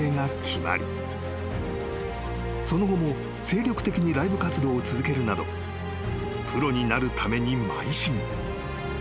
［その後も精力的にライブ活動を続けるなどプロになるためにまい進］